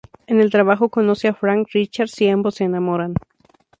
En el trabajo conoce a Frank Richards y ambos se enamoran.